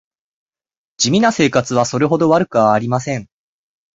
地味な生活はそれほど悪くはありません